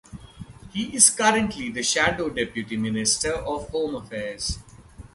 He is currently the Shadow Deputy Minister of Home Affairs.